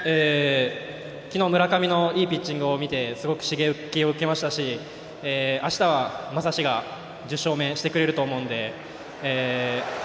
昨日、村上のいいピッチングを見てすごく刺激を受けましたしあしたは将司が１０勝目してくれると思うので。